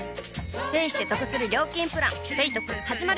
ペイしてトクする料金プラン「ペイトク」始まる！